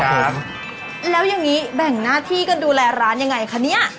ครับแล้วอย่างงี้แบ่งหน้าที่กันดูแลร้านยังไงคะเนี้ย